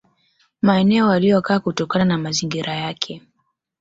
Maeneo waliyokaa kutokana na mazingira yake